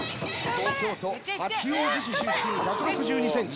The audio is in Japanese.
東京都八王子市出身１６２ｃｍ。